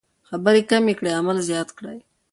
خبرې کمې کړئ عمل زیات کړئ.